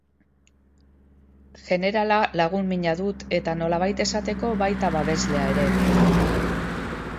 Jenerala lagun mina dut eta, nolabait esateko, baita babeslea ere.